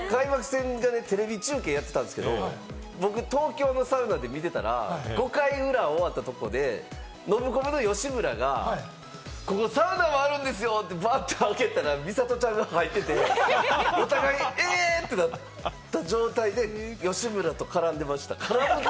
開幕戦、テレビ中継やってたんですけど、僕、東京のサウナで見てたら、５回裏終わったところでノブコブの吉村が「ここサウナもあるんですよ！」ってバって、開けたら、みさとちゃんが入ってて、お互いに「えっ！」ってなった。